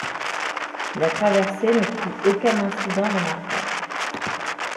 La traversée n’offrit aucun incident remarquable.